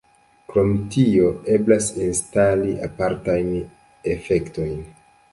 Krom tio eblas instali apartajn efektojn.